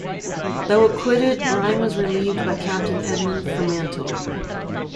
Though acquitted, Brine was relieved by Captain Edmund Fremantle.